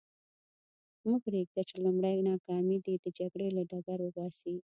مه پرېږده چې لومړۍ ناکامي دې د جګړې له ډګر وباسي.